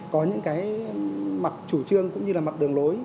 có những mặt chủ trương cũng như mặt đường lối